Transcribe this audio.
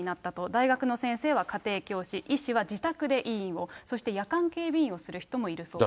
大学の先生は家庭教師、医師は自宅で医院を、そして夜間警備員をする人もいるそうです。